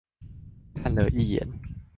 看了一眼